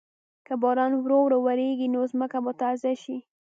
که باران ورو ورو وریږي، نو ځمکه به تازه شي.